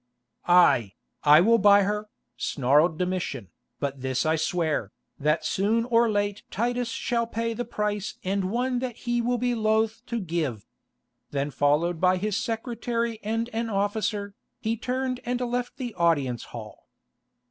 "Aye, I will buy her," snarled Domitian, "but this I swear, that soon or late Titus shall pay the price and one that he will be loth to give." Then followed by his secretary and an officer, he turned and left the audience hall.